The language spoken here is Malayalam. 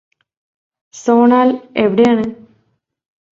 സോണാൽ എവിടെയാണ്